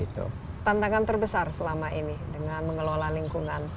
tantangan terbesar selama ini dengan mengelola lingkungan